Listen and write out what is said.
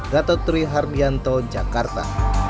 gatotri harbianto jakarta